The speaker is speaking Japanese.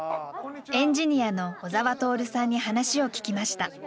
エンジニアの小澤徹さんに話を聞きました。